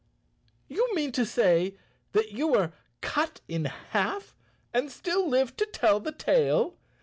"You mean to say that you were cut in half and still live to tell the tale?"